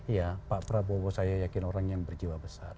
iya pak prabowo saya yakin orang yang berjiwa besar